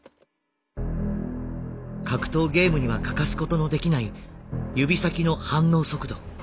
格闘ゲームには欠かすことのできない指先の反応速度。